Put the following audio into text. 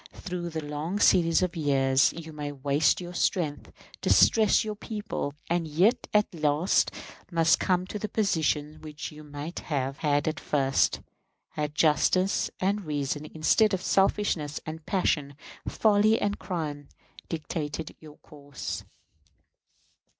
Through a long series of years you may waste your strength, distress your people, and yet at last must come to the position which you might have had at first, had justice and reason, instead of selfishness and passion, folly and crime, dictated your course.